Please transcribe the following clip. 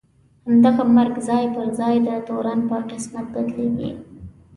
همدغه مرګ ځای پر ځای د تورن په قسمت بدلېږي.